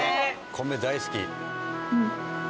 米大好き。